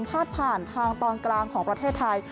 พาดผ่านทางตอนกลางของประเทศไทย